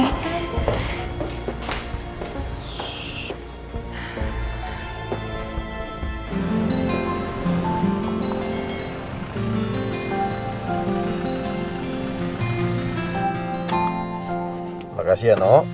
terima kasih ya no